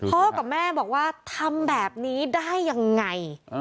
กับแม่บอกว่าทำแบบนี้ได้ยังไง